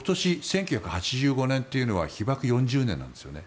翌年、１９８５年というのは被爆４０年なんですよね。